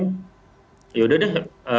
nah yaudah deh